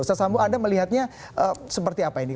ustadz sambo anda melihatnya seperti apa ini